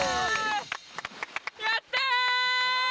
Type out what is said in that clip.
やった！